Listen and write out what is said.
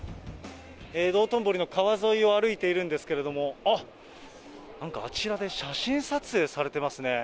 道頓堀の川沿いを歩いているんですけれども、おっ、なんかあちらで写真撮影されてますね。